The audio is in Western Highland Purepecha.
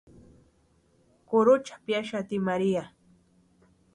Kurhucha piaxati María.